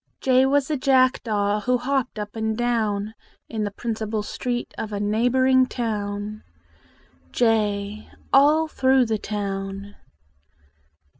J was a jackdaw Who hopped up and dowa In the principal street Of a neighboring town. j All through the town!